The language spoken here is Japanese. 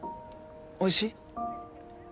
おいしい？